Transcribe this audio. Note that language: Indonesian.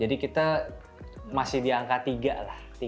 jadi kita masih di angka tiga lah tiga per meter persegi